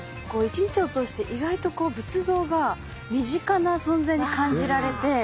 １日を通して意外とこう仏像が身近な存在に感じられて。